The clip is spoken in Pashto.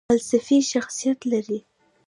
غلسفي شخصیت لري .